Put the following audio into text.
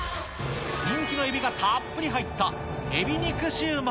人気のエビがたっぷり入った海老肉焼売。